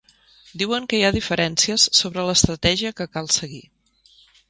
Diuen que hi ha diferències sobre l’estratègia que cal seguir.